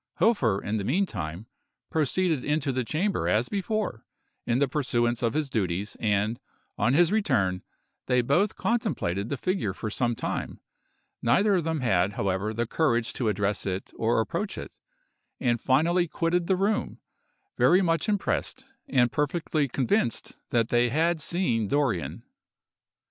Hofer, in the meantime, proceeded into the chamber as before, in the pursuance of his duties, and, on his return, they both contemplated the figure for some time; neither of them had, however, the courage to address or approach it, and finally quitted the room, very much impressed, and perfectly convinced that they had seen Dorrien.